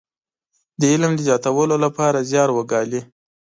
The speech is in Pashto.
د علم د زياتولو لپاره زيار وګالي.